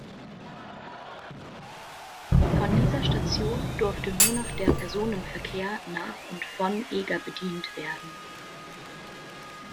Von dieser Station durfte nur noch der Personenverkehr nach und von Eger bedient werden.